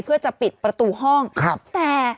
เพื่อจะปิดประตูห้องครับแต่